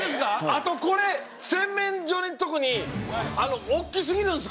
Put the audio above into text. あとこれ洗面所のとこにおっきすぎるんです